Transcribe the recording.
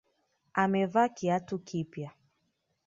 Amevaa kiatu kipya.